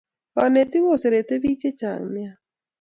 Kanetik koserete pik che chnga nea